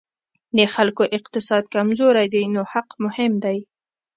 د خلکو اقتصاد کمزوری دی نو حق مهم دی.